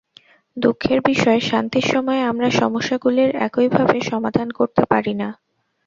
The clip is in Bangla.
দুঃখের বিষয় শান্তির সময়ে আমরা সমস্যাগুলির একইভাবে সমাধান করতে পারি না।